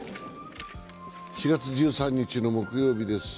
４月１３日木曜日です。